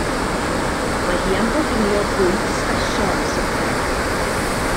Mae hi am goginio bwyd sbesial i swper.